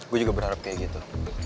gue juga berharap kayak gitu